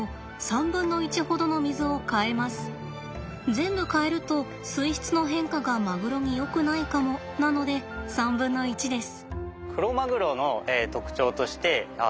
全部換えると水質の変化がマグロによくないかもなので３分の１です。